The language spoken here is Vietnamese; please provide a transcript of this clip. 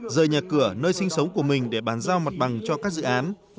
rời nhà cửa nơi sinh sống của mình để bàn giao mặt bằng cho các dự án